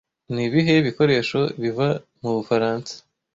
Nibihe bikoresho biva mu bufaransa